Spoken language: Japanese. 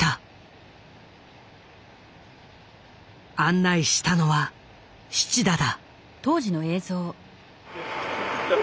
案内したのは七田だ。